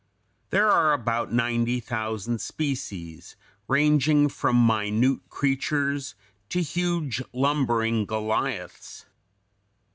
There are about ninety thousand species, ranging from minute creatures to huge, lumbering goliaths.